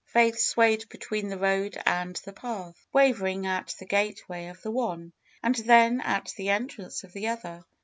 Faith 268 FAITH swayed between the road and the path, wavering at the gateway of the one, and then at the entrance of the other.